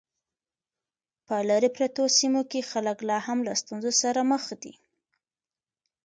په لیرې پرتو سیمو کې خلک لا هم له ستونزو سره مخ دي.